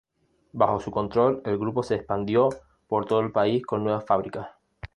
Bajo su control, el grupo se expandió por todo el país con nuevas fábricas.